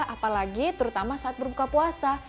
apalagi terutama saat berbuka puasa